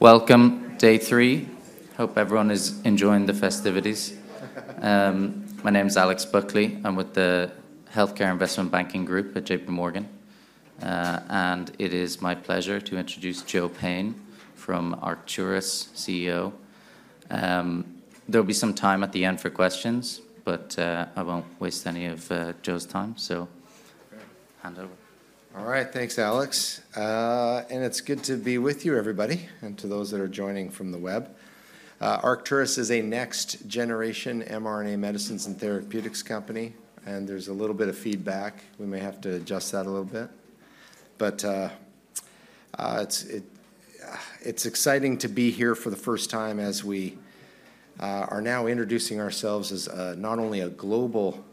Welcome, day three. Hope everyone is enjoying the festivities. My name is Alex Buckley. I'm with the Healthcare Investment Banking Group at J.P. Morgan. And it is my pleasure to introduce Joe Payne from Arcturus, CEO. There'll be some time at the end for questions, but I won't waste any of Joe's time. So, hand over. All right, thanks, Alex. And it's good to be with you, everybody, and to those that are joining from the web. Arcturus is a next-generation mRNA medicines and therapeutics company, and there's a little bit of feedback. We may have to adjust that a little bit. But it's exciting to be here for the first time as we are now introducing ourselves as not only a global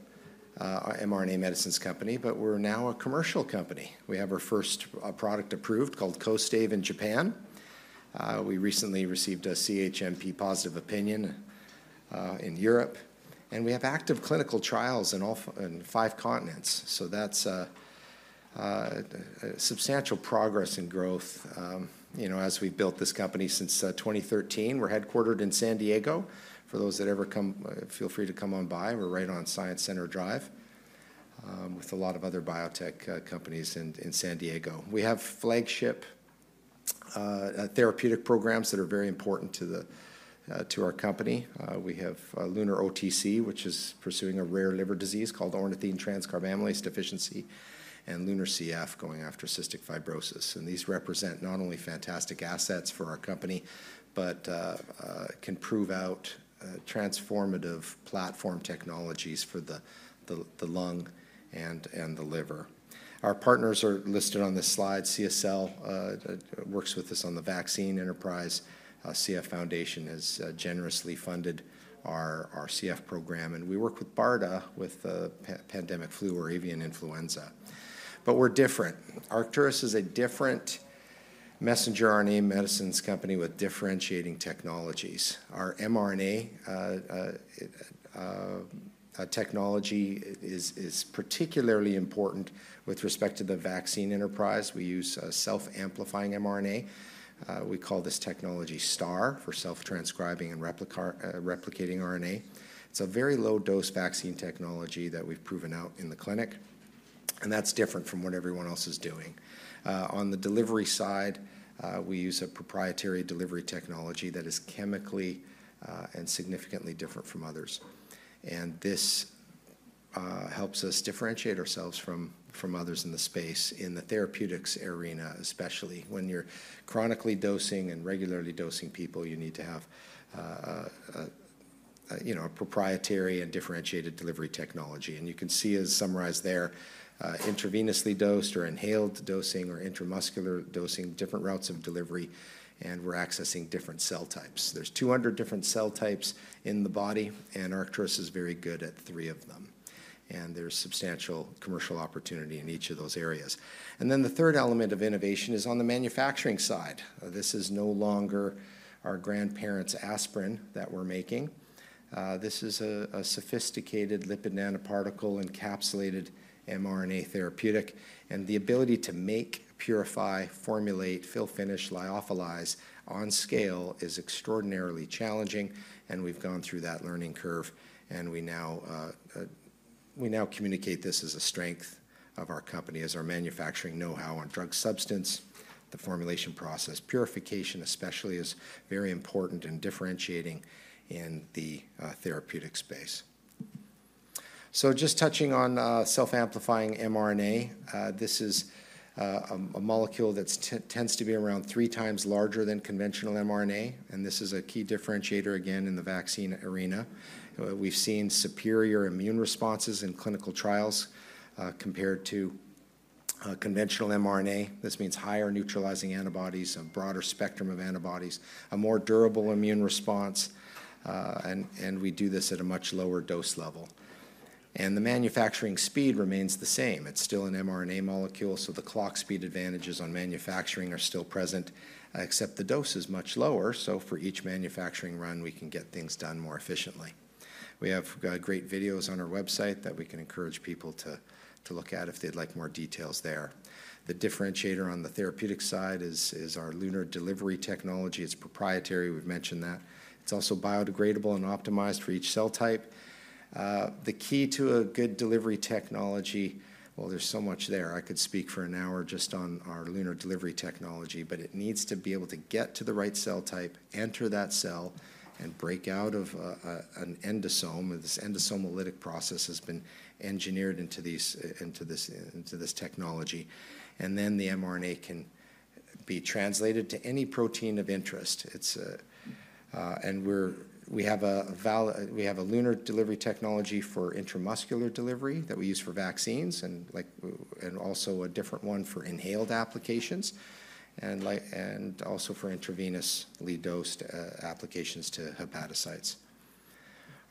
mRNA medicines company, but we're now a commercial company. We have our first product approved called Kostaive in Japan. We recently received a CHMP positive opinion in Europe. And we have active clinical trials in five continents. So that's substantial progress and growth as we've built this company since 2013. We're headquartered in San Diego. For those that ever come, feel free to come on by. We're right on Science Center Drive with a lot of other biotech companies in San Diego. We have flagship therapeutic programs that are very important to our company. We have LUNAR OTC, which is pursuing a rare liver disease called ornithine transcarbamylase deficiency, and LUNAR CF, going after cystic fibrosis, and these represent not only fantastic assets for our company, but can prove out transformative platform technologies for the lung and the liver. Our partners are listed on this slide. CSL works with us on the vaccine enterprise. CF Foundation has generously funded our CF program, and we work with BARDA with pandemic flu or avian influenza, but we're different. Arcturus is a different messenger RNA medicines company with differentiating technologies. Our mRNA technology is particularly important with respect to the vaccine enterprise. We use self-amplifying mRNA. We call this technology STAR for self-transcribing and replicating RNA. It's a very low-dose vaccine technology that we've proven out in the clinic. That's different from what everyone else is doing. On the delivery side, we use a proprietary delivery technology that is chemically and significantly different from others. And this helps us differentiate ourselves from others in the space in the therapeutics arena, especially when you're chronically dosing and regularly dosing people, you need to have a proprietary and differentiated delivery technology. And you can see, as summarized there, intravenously dosed or inhaled dosing or intramuscular dosing, different routes of delivery, and we're accessing different cell types. There's 200 different cell types in the body, and Arcturus is very good at three of them. And there's substantial commercial opportunity in each of those areas. And then the third element of innovation is on the manufacturing side. This is no longer our grandparents' aspirin that we're making. This is a sophisticated lipid nanoparticle encapsulated mRNA therapeutic. And the ability to make, purify, formulate, fill, finish, lyophilize on scale is extraordinarily challenging. And we've gone through that learning curve. And we now communicate this as a strength of our company as our manufacturing know-how on drug substance. The formulation process, purification especially, is very important and differentiating in the therapeutic space. So just touching on self-amplifying mRNA, this is a molecule that tends to be around three times larger than conventional mRNA. And this is a key differentiator, again, in the vaccine arena. We've seen superior immune responses in clinical trials compared to conventional mRNA. This means higher neutralizing antibodies, a broader spectrum of antibodies, a more durable immune response. And we do this at a much lower dose level. And the manufacturing speed remains the same. It's still an mRNA molecule, so the clock speed advantages on manufacturing are still present, except the dose is much lower. So for each manufacturing run, we can get things done more efficiently. We have great videos on our website that we can encourage people to look at if they'd like more details there. The differentiator on the therapeutic side is our LUNAR delivery technology. It's proprietary. We've mentioned that. It's also biodegradable and optimized for each cell type. The key to a good delivery technology, well, there's so much there. I could speak for an hour just on our LUNAR delivery technology. But it needs to be able to get to the right cell type, enter that cell, and break out of an endosome. This endosomalytic process has been engineered into this technology, and then the mRNA can be translated to any protein of interest. We have a LUNAR delivery technology for intramuscular delivery that we use for vaccines, and also a different one for inhaled applications, and also for intravenously dosed applications to hepatocytes.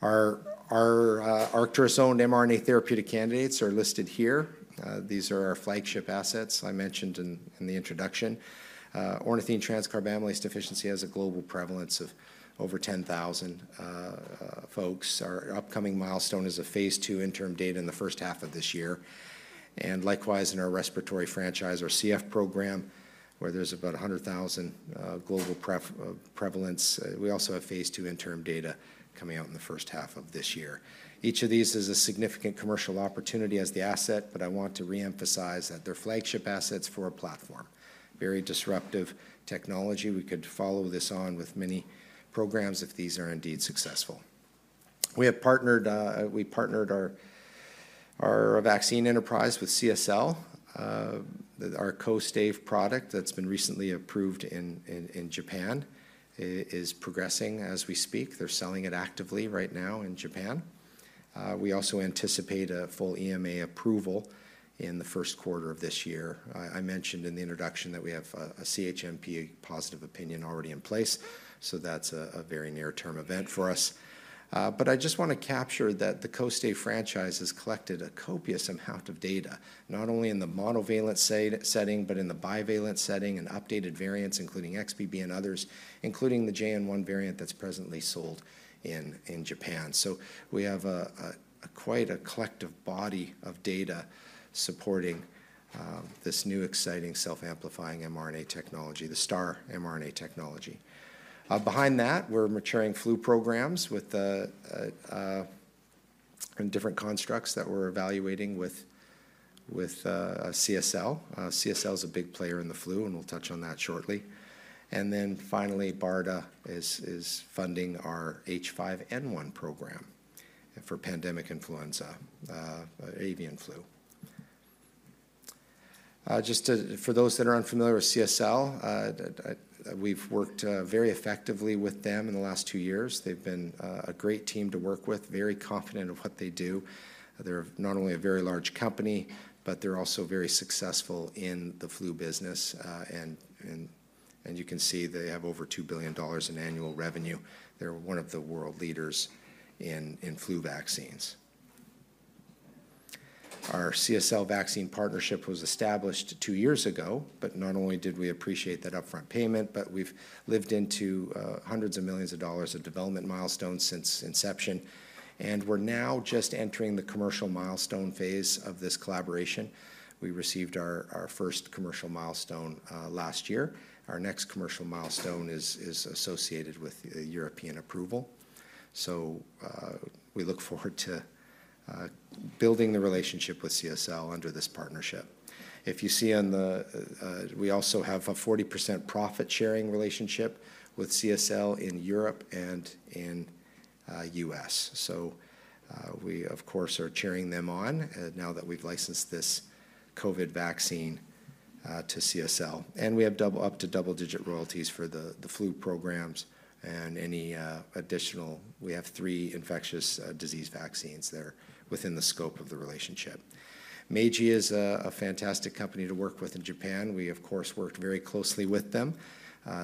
Our Arcturus-owned mRNA therapeutic candidates are listed here. These are our flagship assets I mentioned in the introduction. Ornithine transcarbamylase deficiency has a global prevalence of over 10,000 folks. Our upcoming milestone is a Phase 2 interim data in the first half of this year. Likewise, in our respiratory franchise, our CF program, where there's about 100,000 global prevalence, we also have Phase 2 interim data coming out in the first half of this year. Each of these is a significant commercial opportunity as the asset, but I want to reemphasize that they're flagship assets for a platform. Very disruptive technology. We could follow this on with many programs if these are indeed successful. We partnered our vaccine enterprise with CSL, our Kostaive product that's been recently approved in Japan. It is progressing as we speak. They're selling it actively right now in Japan. We also anticipate a full EMA approval in the first quarter of this year. I mentioned in the introduction that we have a CHMP positive opinion already in place. So that's a very near-term event for us. But I just want to capture that the Kostaive franchise has collected a copious amount of data, not only in the monovalent setting, but in the bivalent setting, and updated variants, including XBB and others, including the JN.1 variant that's presently sold in Japan. So we have quite a collective body of data supporting this new, exciting self-amplifying mRNA technology, the STAR mRNA technology. Behind that, we're maturing flu programs and different constructs that we're evaluating with CSL. CSL is a big player in the flu, and we'll touch on that shortly, and then finally, BARDA is funding our H5N1 program for pandemic influenza, avian flu. Just for those that are unfamiliar with CSL, we've worked very effectively with them in the last two years. They've been a great team to work with, very confident of what they do. They're not only a very large company, but they're also very successful in the flu business. And you can see they have over $2 billion in annual revenue. They're one of the world leaders in flu vaccines. Our CSL vaccine partnership was established two years ago, but not only did we appreciate that upfront payment, but we've lived into hundreds of millions of dollars of development milestones since inception, and we're now just entering the commercial milestone phase of this collaboration. We received our first commercial milestone last year. Our next commercial milestone is associated with European approval. So we look forward to building the relationship with CSL under this partnership. If you see on the we also have a 40% profit-sharing relationship with CSL in Europe and in the U.S. So we, of course, are cheering them on now that we've licensed this COVID vaccine to CSL. And we have up to double-digit royalties for the flu programs and any additional we have three infectious disease vaccines there within the scope of the relationship. Meiji is a fantastic company to work with in Japan. We, of course, worked very closely with them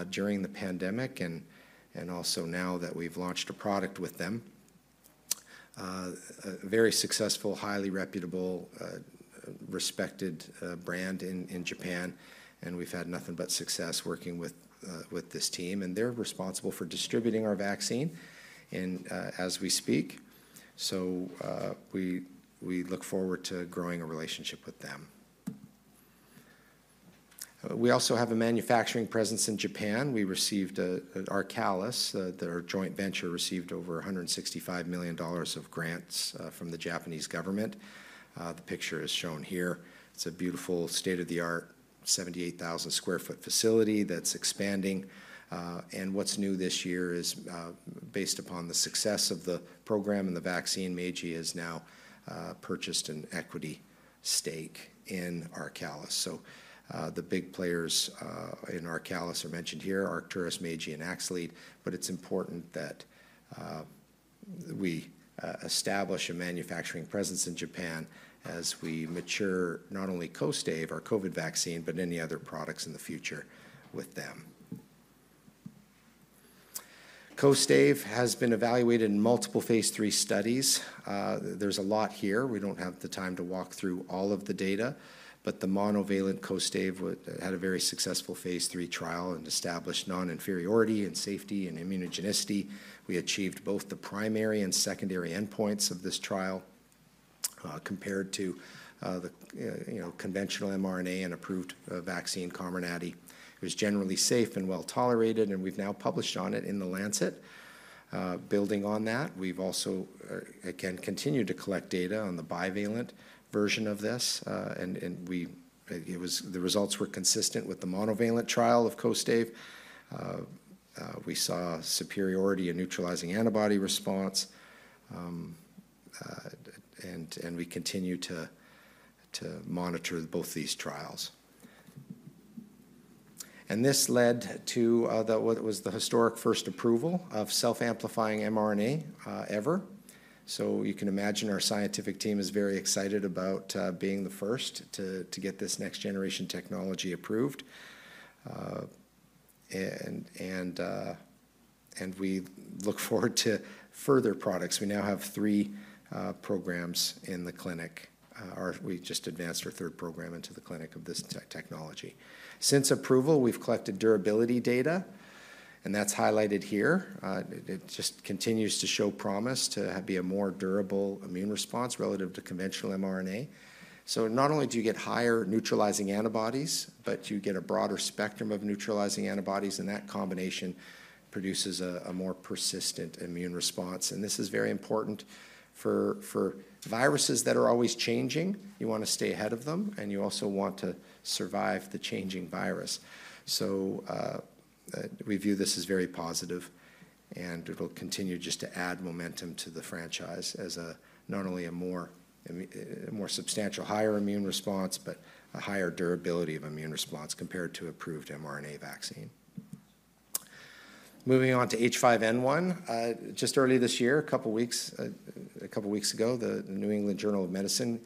during the pandemic and also now that we've launched a product with them. A very successful, highly reputable, respected brand in Japan. And we've had nothing but success working with this team. And they're responsible for distributing our vaccine as we speak. So we look forward to growing a relationship with them. We also have a manufacturing presence in Japan. Arcalis, our joint venture, received over $165 million of grants from the Japanese government. The picture is shown here. It's a beautiful, state-of-the-art, 78,000 sq ft facility that's expanding. And what's new this year is, based upon the success of the program and the vaccine, Meiji has now purchased an equity stake in Arcalis. So the big players in Arcalis are mentioned here: Arcturus, Meiji, and Axcelead. But it's important that we establish a manufacturing presence in Japan as we mature not only Kostaive, our COVID vaccine, but any other products in the future with them. Kostaive has been evaluated in multiple Phase 3 studies. There's a lot here. We don't have the time to walk through all of the data. But the monovalent Kostaive had a very successful Phase 3 trial and established non-inferiority in safety and immunogenicity. We achieved both the primary and secondary endpoints of this trial compared to the conventional mRNA and approved vaccine combination. It was generally safe and well tolerated. And we've now published on it in The Lancet. Building on that, we've also, again, continued to collect data on the bivalent version of this. And the results were consistent with the monovalent trial of Kostaive. We saw superiority in neutralizing antibody response. And we continue to monitor both these trials. And this led to what was the historic first approval of self-amplifying mRNA ever. So you can imagine our scientific team is very excited about being the first to get this next-generation technology approved. And we look forward to further products. We now have three programs in the clinic. We just advanced our third program into the clinic of this technology. Since approval, we've collected durability data, and that's highlighted here. It just continues to show promise to be a more durable immune response relative to conventional mRNA, so not only do you get higher neutralizing antibodies, but you get a broader spectrum of neutralizing antibodies. And that combination produces a more persistent immune response, and this is very important for viruses that are always changing. You want to stay ahead of them, and you also want to survive the changing virus, so we view this as very positive, and it'll continue just to add momentum to the franchise as not only a more substantial, higher immune response, but a higher durability of immune response compared to approved mRNA vaccine. Moving on to H5N1. Just early this year, a couple of weeks ago, the New England Journal of Medicine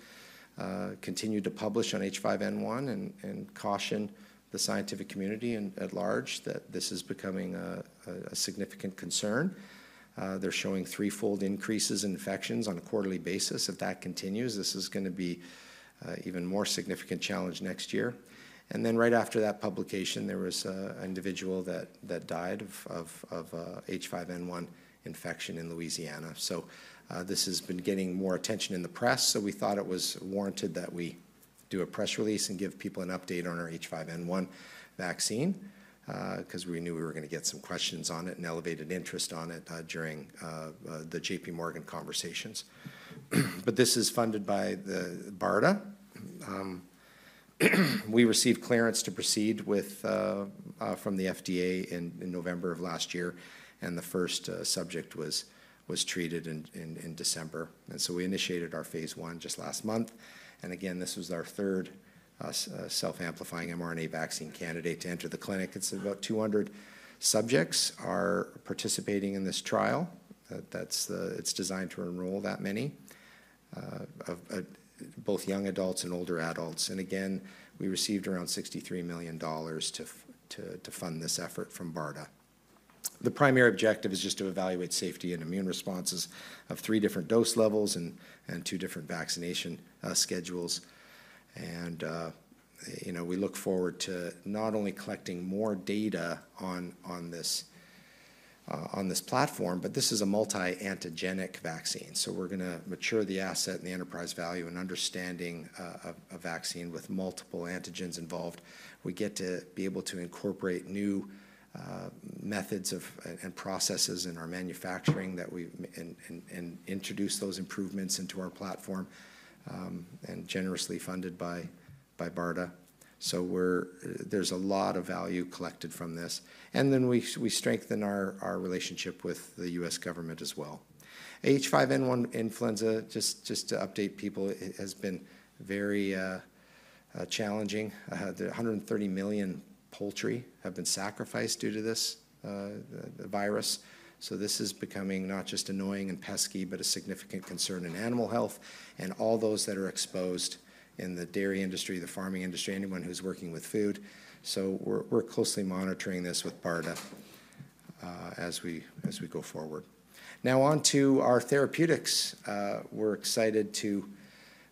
continued to publish on H5N1 and caution the scientific community at large that this is becoming a significant concern. They're showing threefold increases in infections on a quarterly basis. If that continues, this is going to be an even more significant challenge next year, and then right after that publication, there was an individual that died of H5N1 infection in Louisiana, so this has been getting more attention in the press, so we thought it was warranted that we do a press release and give people an update on our H5N1 vaccine because we knew we were going to get some questions on it and elevated interest on it during the J.P. Morgan conversations, but this is funded by BARDA. We received clearance to proceed from the FDA in November of last year. The first subject was treated in December. We initiated our Phase 1 just last month. Again, this was our third self-amplifying mRNA vaccine candidate to enter the clinic. It's about 200 subjects who are participating in this trial. It's designed to enroll that many, both young adults and older adults. Again, we received around $63 million to fund this effort from BARDA. The primary objective is just to evaluate safety and immune responses of three different dose levels and two different vaccination schedules. We look forward to not only collecting more data on this platform, but this is a multi-antigenic vaccine. We're going to mature the asset and the enterprise value and understanding a vaccine with multiple antigens involved. We get to be able to incorporate new methods and processes in our manufacturing and introduce those improvements into our platform and generously funded by BARDA. So there's a lot of value collected from this. And then we strengthen our relationship with the U.S. government as well. H5N1 influenza, just to update people, has been very challenging. The 130 million poultry have been sacrificed due to this virus. So this is becoming not just annoying and pesky, but a significant concern in animal health and all those that are exposed in the dairy industry, the farming industry, anyone who's working with food. So we're closely monitoring this with BARDA as we go forward. Now on to our therapeutics. We're excited to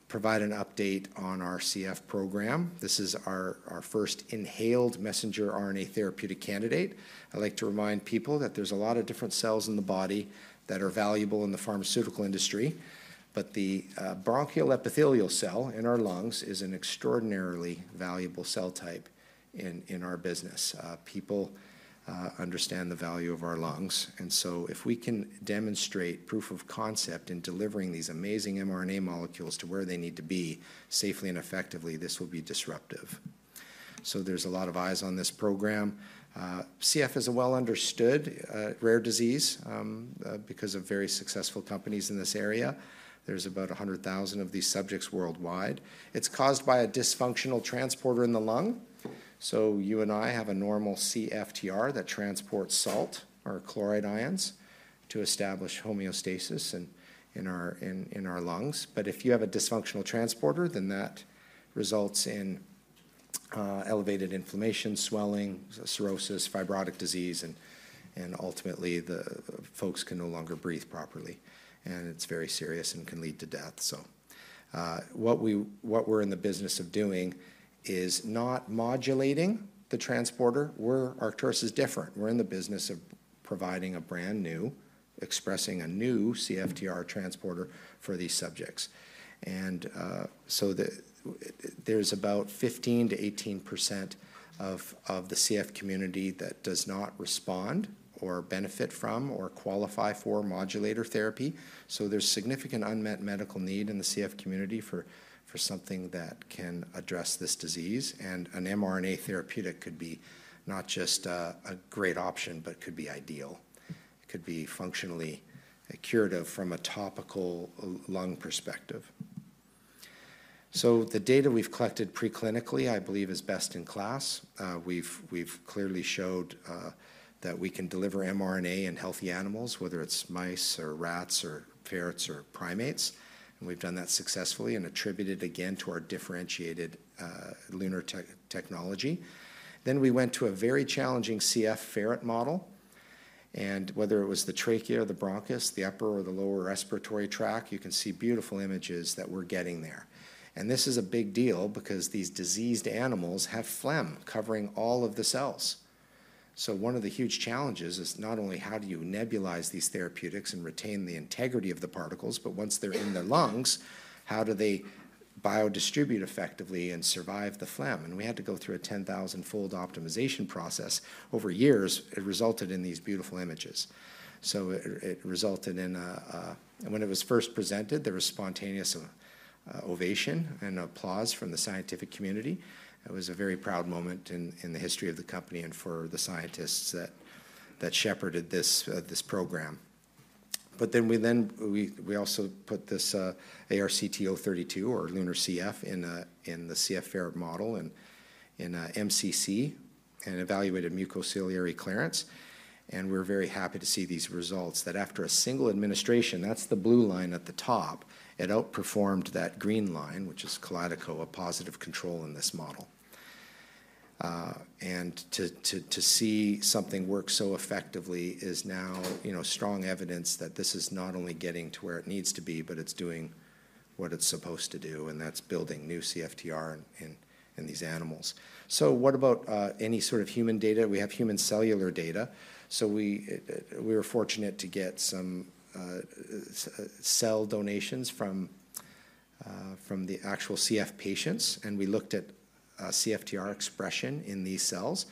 provide an update on our CF program. This is our first inhaled messenger RNA therapeutic candidate. I'd like to remind people that there's a lot of different cells in the body that are valuable in the pharmaceutical industry, but the bronchial epithelial cell in our lungs is an extraordinarily valuable cell type in our business. People understand the value of our lungs, and so if we can demonstrate proof of concept in delivering these amazing mRNA molecules to where they need to be safely and effectively, this will be disruptive, so there's a lot of eyes on this program. CF is a well-understood rare disease because of very successful companies in this area. There's about 100,000 of these subjects worldwide. It's caused by a dysfunctional transporter in the lung, so you and I have a normal CFTR that transports salt or chloride ions to establish homeostasis in our lungs. But if you have a dysfunctional transporter, then that results in elevated inflammation, swelling, cirrhosis, fibrotic disease, and ultimately, folks can no longer breathe properly. And it's very serious and can lead to death. So what we're in the business of doing is not modulating the transporter. Arcturus is different. We're in the business of providing a brand new, expressing a new CFTR transporter for these subjects. And so there's about 15%-18% of the CF community that does not respond or benefit from or qualify for modulator therapy. So there's significant unmet medical need in the CF community for something that can address this disease. And an mRNA therapeutic could be not just a great option, but could be ideal. It could be functionally curative from a topical lung perspective. So the data we've collected preclinically, I believe, is best in class. We've clearly showed that we can deliver mRNA in healthy animals, whether it's mice or rats or ferrets or primates. And we've done that successfully and attributed again to our differentiated LUNAR technology. Then we went to a very challenging CF ferret model. And whether it was the trachea or the bronchus, the upper or the lower respiratory tract, you can see beautiful images that we're getting there. And this is a big deal because these diseased animals have phlegm covering all of the cells. So one of the huge challenges is not only how do you nebulize these therapeutics and retain the integrity of the particles, but once they're in the lungs, how do they biodistribute effectively and survive the phlegm? And we had to go through a 10,000-fold optimization process over years. It resulted in these beautiful images. So it resulted in when it was first presented, there was spontaneous ovation and applause from the scientific community. It was a very proud moment in the history of the company and for the scientists that shepherded this program. But then we also put this ARCT-032 or LUNAR CF in the CF ferret model in MCC and evaluated mucociliary clearance. And we're very happy to see these results that after a single administration, that's the blue line at the top, it outperformed that green line, which is Kalydeco positive control in this model. And to see something work so effectively is now strong evidence that this is not only getting to where it needs to be, but it's doing what it's supposed to do. And that's building new CFTR in these animals. So what about any sort of human data? We have human cellular data. We were fortunate to get some cell donations from the actual CF patients. And we looked at CFTR expression in these cells.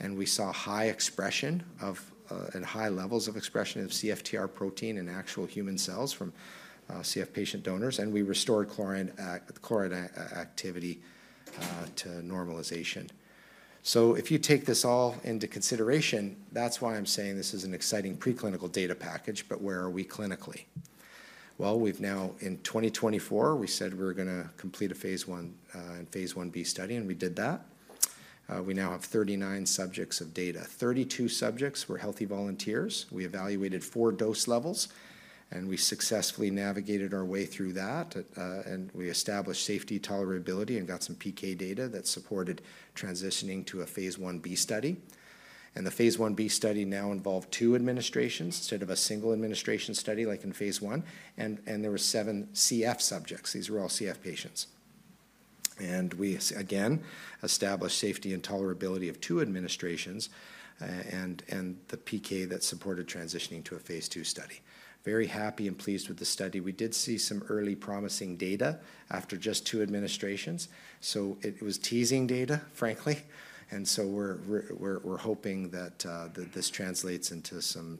And we saw high expression of and high levels of expression of CFTR protein in actual human cells from CF patient donors. And we restored chloride activity to normalization. So if you take this all into consideration, that's why I'm saying this is an exciting preclinical data package. But where are we clinically? Well, we've now, in 2024, we said we were going to complete a Phase 1 and Phase 1b study. And we did that. We now have 39 subjects of data. 32 subjects were healthy volunteers. We evaluated four dose levels. And we successfully navigated our way through that. And we established safety, tolerability, and got some PK data that supported transitioning to a Phase 1b study. The Phase 1b study now involved two administrations instead of a single administration study like in Phase 1. There were seven CF subjects. These were all CF patients. We, again, established safety and tolerability of two administrations and the PK that supported transitioning to a Phase 2 study. Very happy and pleased with the study. We did see some early promising data after just two administrations. It was teasing data, frankly. We're hoping that this translates into some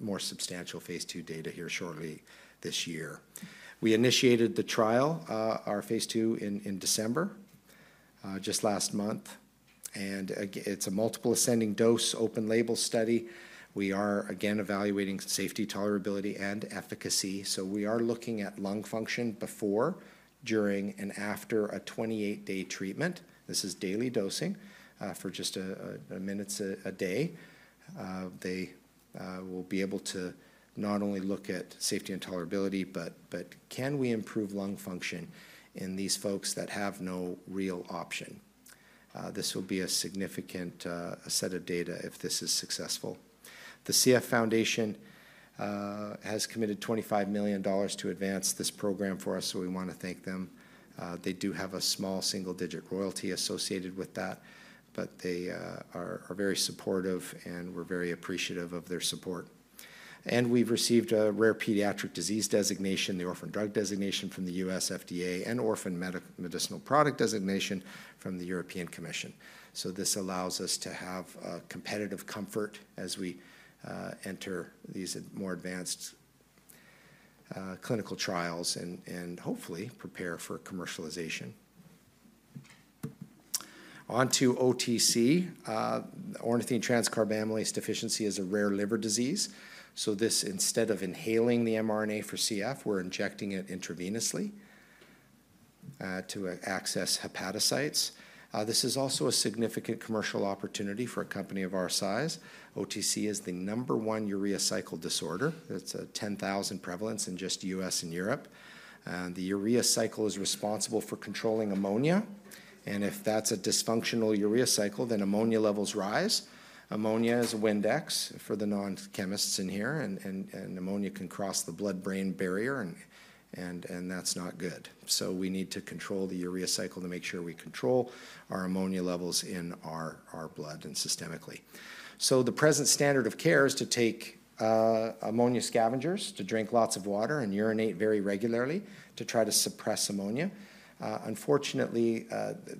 more substantial Phase 2 data here shortly this year. We initiated the trial, our Phase 2, in December just last month. It's a multiple-ascending-dose open-label study. We are, again, evaluating safety, tolerability, and efficacy. We are looking at lung function before, during, and after a 28-day treatment. This is daily dosing for just minutes a day. They will be able to not only look at safety and tolerability, but can we improve lung function in these folks that have no real option? This will be a significant set of data if this is successful. The CF Foundation has committed $25 million to advance this program for us. So we want to thank them. They do have a small single-digit royalty associated with that. But they are very supportive. And we're very appreciative of their support. And we've received a rare pediatric disease designation, the orphan drug designation from the U.S. FDA, and orphan medicinal product designation from the European Commission. So this allows us to have competitive comfort as we enter these more advanced clinical trials and hopefully prepare for commercialization. On to OTC. Ornithine transcarbamylase deficiency is a rare liver disease. This, instead of inhaling the mRNA for CF, we're injecting it intravenously to access hepatocytes. This is also a significant commercial opportunity for a company of our size. OTC is the number one urea cycle disorder. It's a 10,000 prevalence in just U.S. and Europe. The urea cycle is responsible for controlling ammonia, and if that's a dysfunctional urea cycle, then ammonia levels rise. Ammonia is a Windex for the non-chemists in here, and ammonia can cross the blood-brain barrier, and that's not good. We need to control the urea cycle to make sure we control our ammonia levels in our blood and systemically. The present standard of care is to take ammonia scavengers, to drink lots of water, and urinate very regularly to try to suppress ammonia. Unfortunately,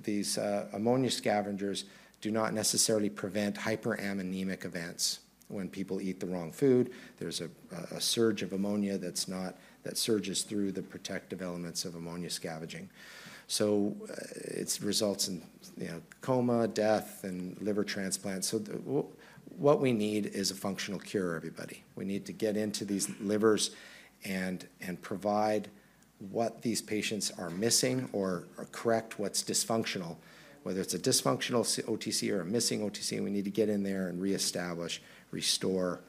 these ammonia scavengers do not necessarily prevent hyperammonemic events. When people eat the wrong food, there's a surge of ammonia that surges through the protective elements of ammonia scavenging, so it results in coma, death, and liver transplants. What we need is a functional cure, everybody. We need to get into these livers and provide what these patients are missing or correct what's dysfunctional, whether it's a dysfunctional OTC or a missing OTC. We need to get in there and reestablish, restore,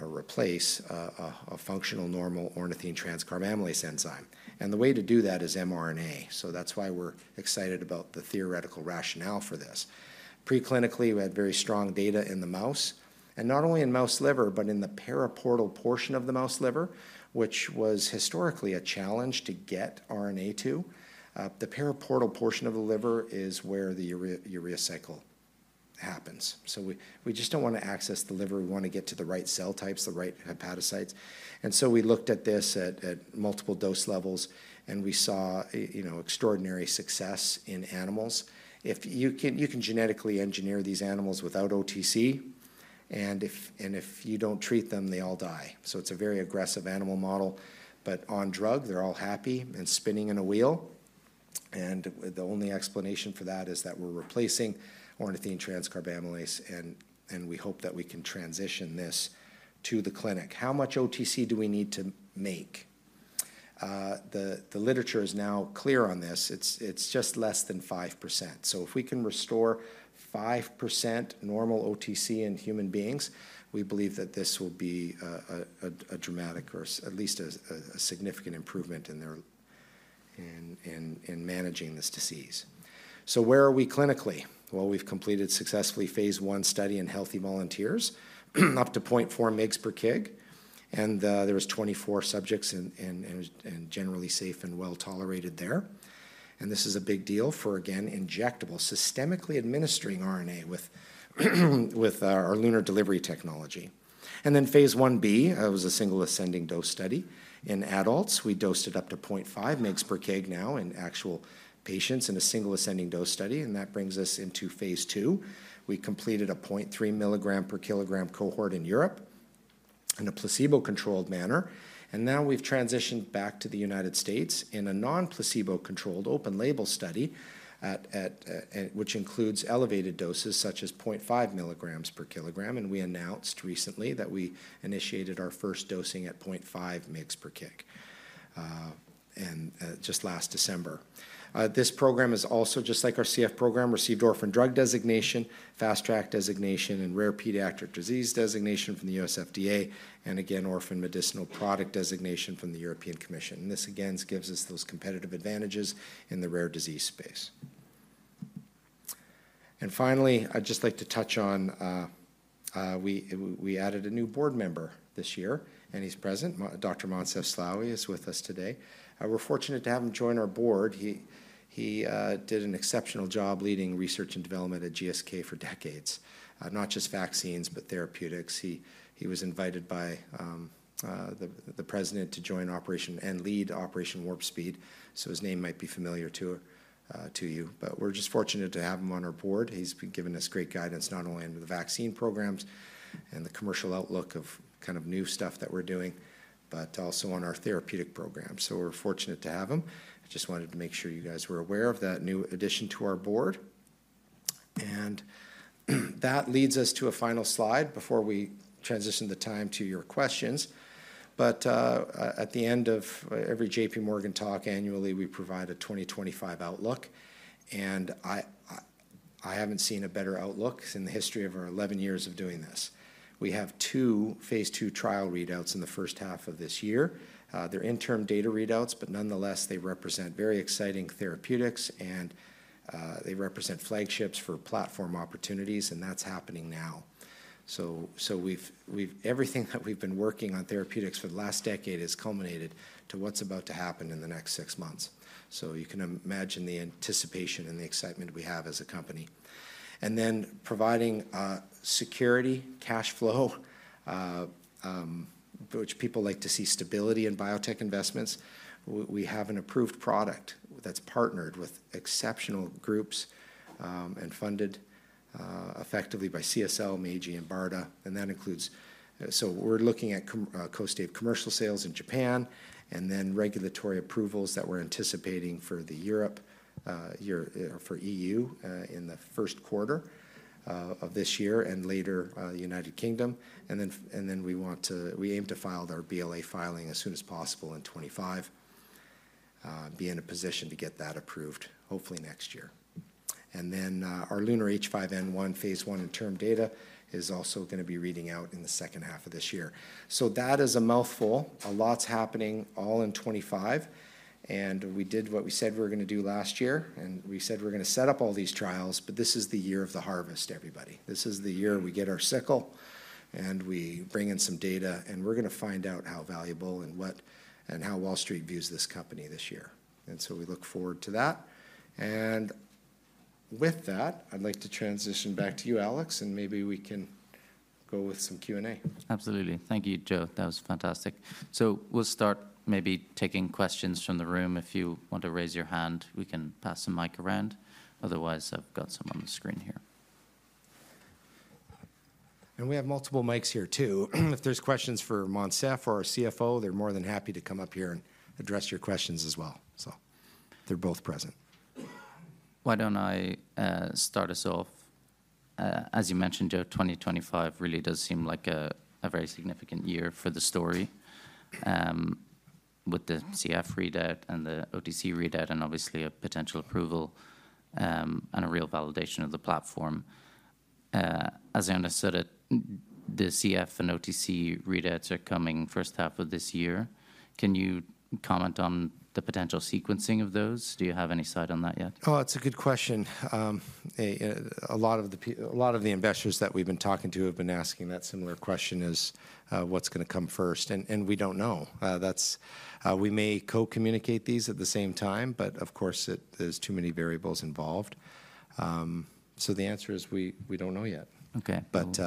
or replace a functional normal ornithine transcarbamylase enzyme, and the way to do that is mRNA. That's why we're excited about the theoretical rationale for this. Preclinically, we had very strong data in the mouse, and not only in mouse liver, but in the periportal portion of the mouse liver, which was historically a challenge to get RNA to. The periportal portion of the liver is where the urea cycle happens. We just don't want to access the liver. We want to get to the right cell types, the right hepatocytes. And so we looked at this at multiple dose levels. And we saw extraordinary success in animals. You can genetically engineer these animals without OTC. And if you don't treat them, they all die. So it's a very aggressive animal model. But on drug, they're all happy and spinning in a wheel. And the only explanation for that is that we're replacing ornithine transcarbamylase. And we hope that we can transition this to the clinic. How much OTC do we need to make? The literature is now clear on this. It's just less than 5%. So if we can restore 5% normal OTC in human beings, we believe that this will be a dramatic or at least a significant improvement in managing this disease. So where are we clinically? We've completed successfully Phase 1 study in healthy volunteers up to 0.4 mg per kg. There were 24 subjects and generally safe and well tolerated there. This is a big deal for, again, injectable, systemically administering RNA with our LUNAR delivery technology. Phase 1b, it was a single ascending dose study in adults. We dosed it up to 0.5 mg per kg now in actual patients in a single ascending dose study. That brings us into Phase 2. We completed a 0.3 mg per kg cohort in Europe in a placebo-controlled manner. Now we've transitioned back to the United States in a non-placebo-controlled open label study, which includes elevated doses such as 0.5 mg per kg. We announced recently that we initiated our first dosing at 0.5 mg per kg just last December. This program is also, just like our CF program, received orphan drug designation, fast track designation, and rare pediatric disease designation from the U.S. FDA, and again, orphan medicinal product designation from the European Commission. And this, again, gives us those competitive advantages in the rare disease space. And finally, I'd just like to touch on we added a new board member this year. And he's present. Dr. Moncef Slaoui is with us today. We're fortunate to have him join our board. He did an exceptional job leading research and development at GSK for decades, not just vaccines, but therapeutics. He was invited by the president to join operation and lead Operation Warp Speed. So his name might be familiar to you. But we're just fortunate to have him on our board. He's been giving us great guidance not only into the vaccine programs and the commercial outlook of kind of new stuff that we're doing, but also on our therapeutic program. So we're fortunate to have him. I just wanted to make sure you guys were aware of that new addition to our board. And that leads us to a final slide before we transition the time to your questions. But at the end of every J.P. Morgan talk annually, we provide a 2025 outlook. And I haven't seen a better outlook in the history of our 11 years of doing this. We have two Phase 2 trial readouts in the first half of this year. They're interim data readouts. But nonetheless, they represent very exciting therapeutics. And they represent flagships for platform opportunities. And that's happening now. So everything that we've been working on therapeutics for the last decade has culminated to what's about to happen in the next six months. So you can imagine the anticipation and the excitement we have as a company. And then providing security, cash flow, which people like to see stability in biotech investments. We have an approved product that's partnered with exceptional groups and funded effectively by CSL, Meiji, and BARDA. And that includes so we're looking at Kostaive commercial sales in Japan and then regulatory approvals that we're anticipating for Europe or for the EU in the first quarter of this year and later United Kingdom. And then we aim to file our BLA filing as soon as possible in 2025, be in a position to get that approved hopefully next year. And then our LUNAR H5N1 Phase 1 interim data is also going to be reading out in the second half of this year. So that is a mouthful. A lot's happening all in 2025. And we did what we said we were going to do last year. And we said we were going to set up all these trials. But this is the year of the harvest, everybody. This is the year we get our sickle. And we bring in some data. And we're going to find out how valuable and how Wall Street views this company this year. And so we look forward to that. And with that, I'd like to transition back to you, Alex. And maybe we can go with some Q&A. Absolutely. Thank you, Joe. That was fantastic. So we'll start maybe taking questions from the room. If you want to raise your hand, we can pass the mic around. Otherwise, I've got some on the screen here. We have multiple mics here, too. If there's questions for Moncef or our CFO, they're more than happy to come up here and address your questions as well. They're both present. Why don't I start us off? As you mentioned, Joe, 2025 really does seem like a very significant year for the story with the CF readout and the OTC readout and obviously a potential approval and a real validation of the platform. As I understood it, the CF and OTC readouts are coming first half of this year. Can you comment on the potential sequencing of those? Do you have any sight on that yet? Oh, that's a good question. A lot of the investors that we've been talking to have been asking that similar question is, what's going to come first? And we don't know. We may co-communicate these at the same time. But of course, there's too many variables involved. So the answer is we don't know yet. But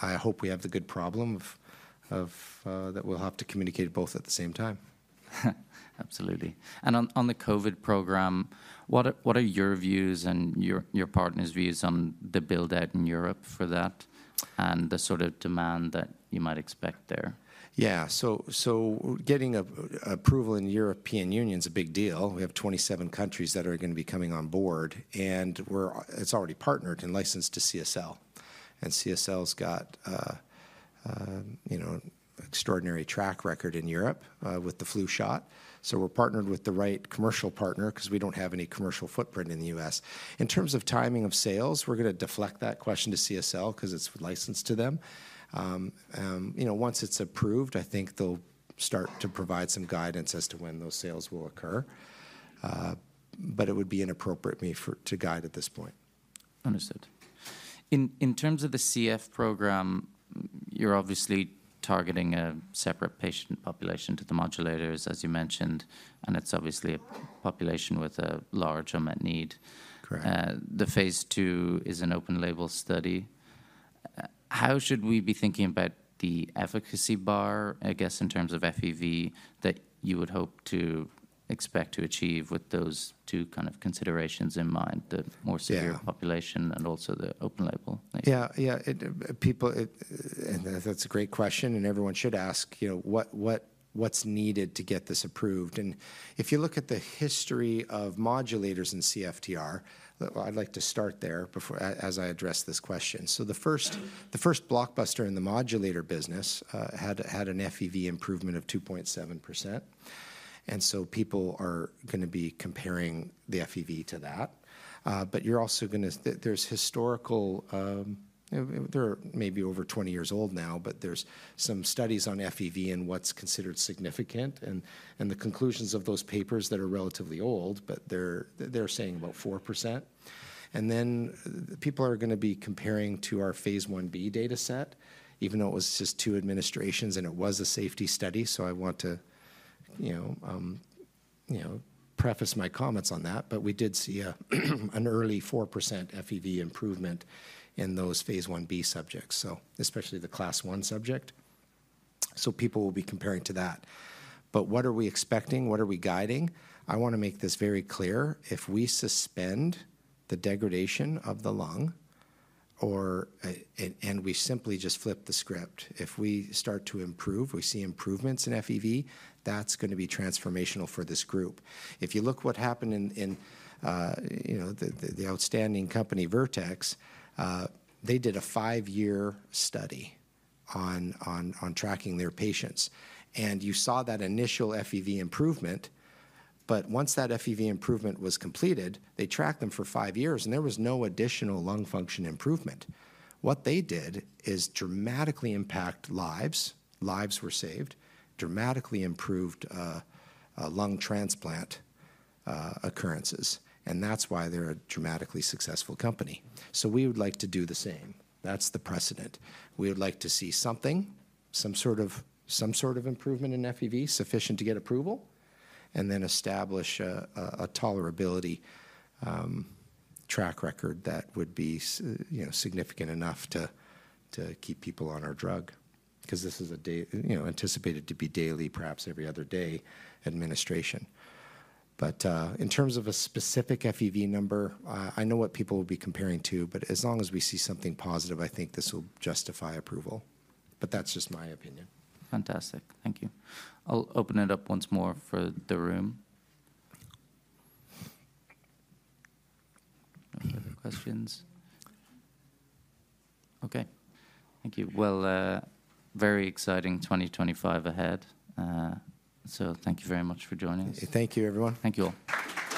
I hope we have the good problem that we'll have to communicate both at the same time. Absolutely. And on the COVID program, what are your views and your partner's views on the buildout in Europe for that and the sort of demand that you might expect there? Yeah, so getting approval in the European Union is a big deal. We have 27 countries that are going to be coming on board, and it's already partnered and licensed to CSL, and CSL's got an extraordinary track record in Europe with the flu shot, so we're partnered with the right commercial partner because we don't have any commercial footprint in the U.S. In terms of timing of sales, we're going to deflect that question to CSL because it's licensed to them. Once it's approved, I think they'll start to provide some guidance as to when those sales will occur, but it would be inappropriate to guide at this point. Understood. In terms of the CF program, you're obviously targeting a separate patient population to the modulators, as you mentioned. And it's obviously a population with a large unmet need. The Phase 2 is an open label study. How should we be thinking about the efficacy bar, I guess, in terms of FEV that you would hope to expect to achieve with those two kind of considerations in mind, the more severe population and also the open label? Yeah. Yeah. That's a great question, and everyone should ask what's needed to get this approved. If you look at the history of modulators in CFTR, I'd like to start there as I address this question. So the first blockbuster in the modulator business had an FEV improvement of 2.7%, and so people are going to be comparing the FEV to that. But there's historical data that may be over 20 years old now. But there's some studies on FEV and what's considered significant. And the conclusions of those papers that are relatively old, but they're saying about 4%. And then people are going to be comparing to our Phase 1b data set, even though it was just two administrations. And it was a safety study. So I want to preface my comments on that. But we did see an early 4% FEV improvement in those Phase 1b subjects, especially the Class I subject. So people will be comparing to that. But what are we expecting? What are we guiding? I want to make this very clear. If we suspend the degradation of the lung and we simply just flip the script, if we start to improve, we see improvements in FEV, that's going to be transformational for this group. If you look at what happened in the outstanding company, Vertex, they did a five-year study on tracking their patients. And you saw that initial FEV improvement. But once that FEV improvement was completed, they tracked them for five years. And there was no additional lung function improvement. What they did is dramatically impact lives. Lives were saved, dramatically improved lung transplant occurrences. And that's why they're a dramatically successful company. So we would like to do the same. That's the precedent. We would like to see something, some sort of improvement in FEV sufficient to get approval, and then establish a tolerability track record that would be significant enough to keep people on our drug because this is anticipated to be daily, perhaps every other day, administration. But in terms of a specific FEV number, I know what people will be comparing to. But as long as we see something positive, I think this will justify approval. But that's just my opinion. Fantastic. Thank you. I'll open it up once more for the room. Any other questions? OK. Thank you. Well, very exciting 2025 ahead. So thank you very much for joining us. Thank you, everyone. Thank you all.